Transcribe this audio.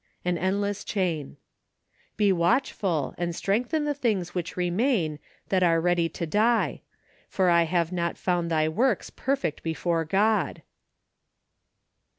An Endless Chain. "Be watchful, and strengthen the things which remain, that are ready to die: for I have not found thy works perfect before God."